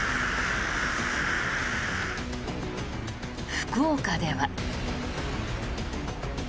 福岡では。